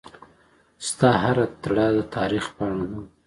ستا هره تړه دتاریخ پاڼه ده